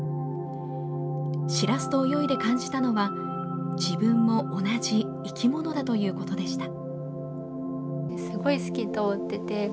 しらすと泳いで感じたのは、自分も同じ生きものだということでした。